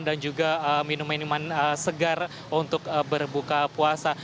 dan juga minuman minuman segar untuk berbuka puasa